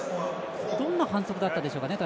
どんな反則だったでしょうかね。